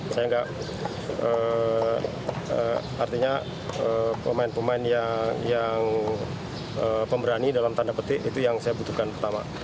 saya enggak artinya pemain pemain yang pemberani dalam tanda petik itu yang saya butuhkan pertama